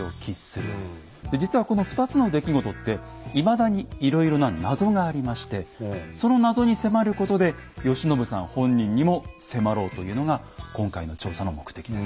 実はこの２つの出来事っていまだにいろいろな謎がありましてその謎に迫ることで慶喜さん本人にも迫ろうというのが今回の調査の目的です。